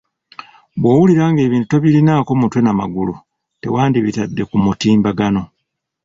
Bwowulira ng'ebintu tobirinako mutwe na magulu, tewandibitadde ku mutimbagano.